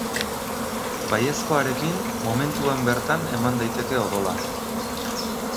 Baiezkoarekin, momentuan bertan eman daiteke odola.